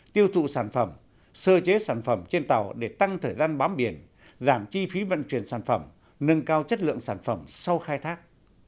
tiêu thụ sản phẩm sơ chế sản phẩm trên tàu để tăng thời gian bám biển giảm chi phí vận chuyển sản phẩm nâng cao chất lượng sản phẩm sau khai thác